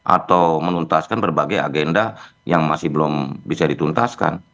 atau menuntaskan berbagai agenda yang masih belum bisa dituntaskan